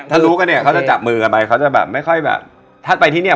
ถ้ารู้กันเนี่ยเขาจะจับมือกันไปเขาจะแบบไม่ค่อยแบบถ้าไปที่เนี่ย